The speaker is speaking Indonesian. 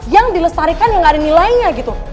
yang dilestarikan yang gak ada nilainya gitu